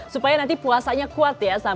supaya nanti puasanya kuat ya